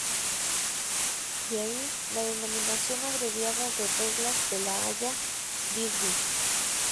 De ahí, la denominación abreviada de Reglas de La Haya—Visby.